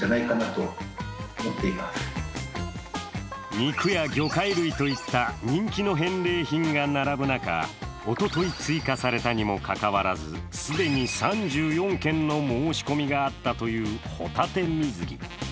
肉や魚介類といった人気の返礼品が並ぶ中、おととい追加されたにもかかわらず既に３４件の申し込みがあったというホタテ水着。